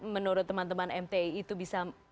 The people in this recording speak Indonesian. menurut teman teman mti itu bisa